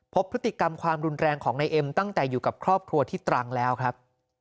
พบพฤติกรรมความรุนแรงของนายเอ็มตั้งแต่อยู่กับครอบครัวที่ตรังแล้วครับ